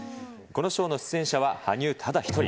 このショーの出演者は羽生ただ一人。